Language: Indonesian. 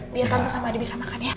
biar tante sama adi bisa makan ya